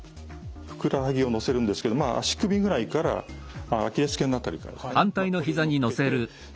ふくらはぎを乗せるんですけど足首ぐらいからアキレス腱の辺りからですかね